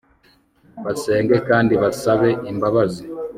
basenge kandi basabe imbabazi